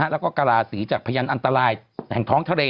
แล้วก็กราศีจากพยานอันตรายแห่งท้องทะเล